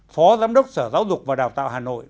phó giám đốc sở giáo dục và đào tạo hà nội